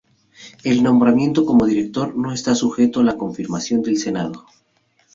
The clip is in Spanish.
El nombramiento como director no está sujeto a la confirmación del Senado.